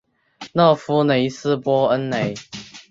勒夫雷斯恩波雷。